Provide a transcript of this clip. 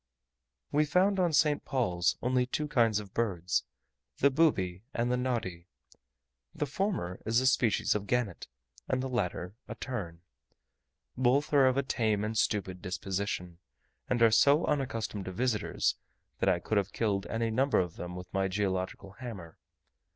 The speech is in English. We found on St. Paul's only two kinds of birds the booby and the noddy. The former is a species of gannet, and the latter a tern. Both are of a tame and stupid disposition, and are so unaccustomed to visitors, that I could have killed any number of them with my geological hammer.